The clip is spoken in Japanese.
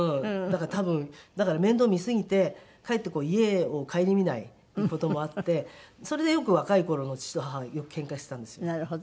だから多分だから面倒見すぎてかえって家を顧みない事もあってそれで若い頃の父と母はよくけんかしてたんですよ。